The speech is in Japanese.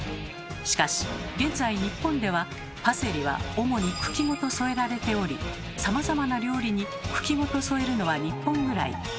しかし現在日本ではパセリは主に茎ごと添えられておりさまざまな料理に茎ごと添えるのは日本ぐらい。